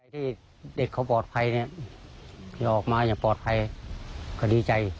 ที่เด็กเขาปลอดภัยเนี่ยที่ออกมาอย่างปลอดภัยก็ดีใจ